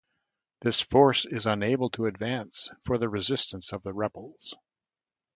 This force is unable to advance for the resistance of the rebels.